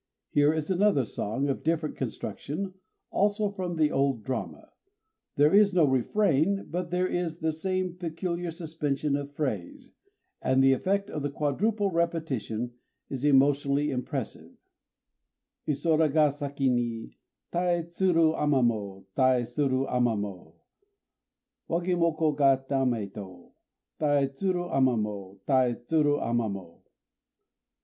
Here is another song, of different construction, also from the old drama: there is no refrain, but there is the same peculiar suspension of phrase; and the effect of the quadruple repetition is emotionally impressive: Isora ga saki ni Tai tsuru ama mo, Tai tsuru ama mo, Wagimoko ga tamé to, Tai tsuru ama mo, Tai tsuru ama mo!